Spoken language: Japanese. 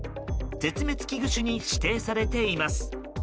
絶滅危惧種に指定されています。